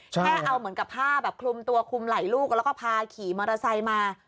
แค่เอาเหมือนกับผ้าแบบคลุมตัวคลุมไหล่ลูกแล้วก็พาขี่มอเตอร์ไซค์มา